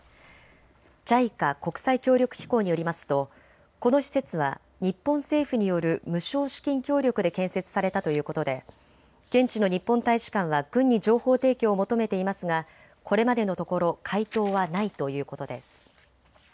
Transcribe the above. ＪＩＣＡ・国際協力機構によりますとこの施設は日本政府による無償資金協力で建設されたということで現地の日本大使館は軍に情報提供を求めていますがこれまでのところ回答はないということです。